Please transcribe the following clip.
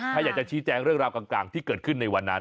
ถ้าอยากจะชี้แจงเรื่องราวต่างที่เกิดขึ้นในวันนั้น